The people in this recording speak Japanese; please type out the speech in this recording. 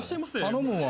頼むわ。